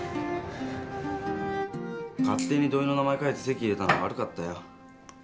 勝手に同意の名前書いて籍入れたのは悪かったよ。